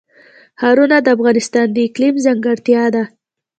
ښارونه د افغانستان د اقلیم ځانګړتیا ده.